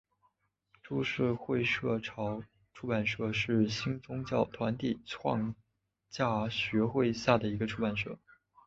株式会社潮出版社是新宗教团体创价学会下的一个出版社。